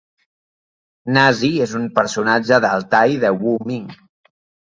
Nasi és un personatge d'Altai de Wu Ming.